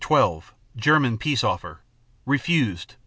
12 German peace offer. Refused (Dec.